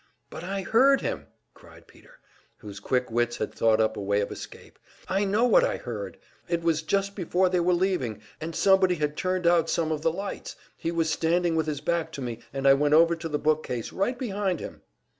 "But I heard him!" cried Peter, whose quick wits had thought up a way of escape, "I know what I heard! It was just before they were leaving, and somebody had turned out some of the lights. He was standing with his back to me, and I went over to the book case right behind him."